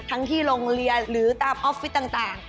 ที่โรงเรียนหรือตามออฟฟิศต่าง